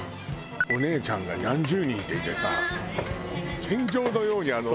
お姉ちゃんが何十人っていてさ戦場のようにタンクを。